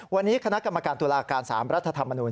วันนี้คณะกรรมการตุลาการ๓รัฐธรรมนุน